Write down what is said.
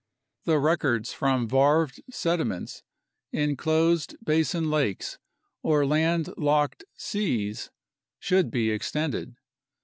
The records from varved sediments in closed basin lakes or land locked seas should be extended.